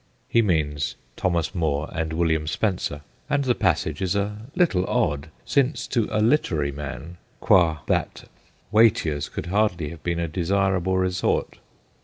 He means Thomas Moore and William Spencer, and the passage is a little odd, since to a * literary man,' qua that, Watier's could hardly have been a desirable resort.